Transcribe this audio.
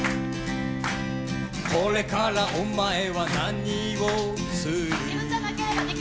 「これからお前は何をする？」